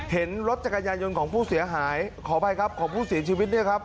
เห็นรถจักรยายนต์ของผู้เสียหายขออภัยครับของผู้เสียชีวิตเนี่ยครับ